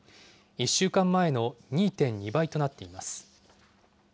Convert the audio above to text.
１週間前の２．２倍となっています。